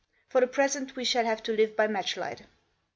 For the present we shall have to live by matchlight."